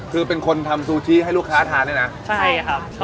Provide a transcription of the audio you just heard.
คือเป็นคนทำซูชิให้ลูกค้าทานเนี่ยนะใช่ครับ